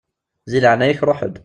Di leɛnaya-k ṛuḥ-d.